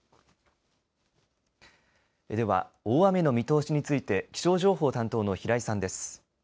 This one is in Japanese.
では大雨の見通しについて気象情報担当の平井さんです。